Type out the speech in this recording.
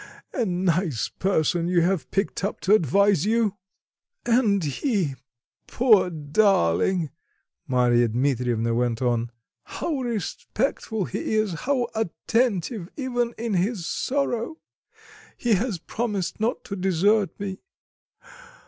A nice person you have picked up to advise you!" "And he, poor darling," Marya Dmitrievna went on, "how respectful he is, how attentive even in his sorrow! He has promised not to desert me.